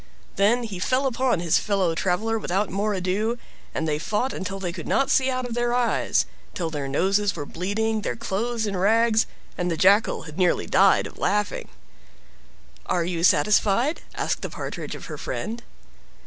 Then he fell upon his fellow traveler without more ado, and they fought until they could not see out of their eyes, till their noses were bleeding, their clothes in rags, and the Jackal had nearly died of laughing. "Are you satisfied?" asked the Partridge of her friend.